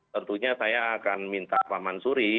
tentunya saya akan minta pak mansuri